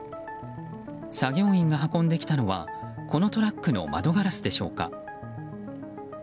作業員が運んできたのはこのトラックの窓ガラスでしょうか。